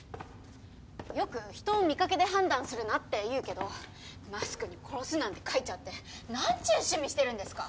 よく人を見掛けで判断するなって言うけどマスクに「殺す」なんて書いちゃってなんちゅう趣味してるんですか？